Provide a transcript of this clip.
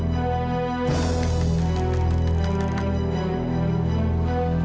permisi ya assalamualaikum